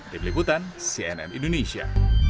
di peliputan cnn indonesia